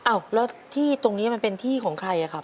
อ้าวแล้วที่ตรงนี้มันเป็นที่ของใครอะครับ